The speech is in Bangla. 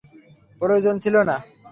প্রয়োজন ছিল না।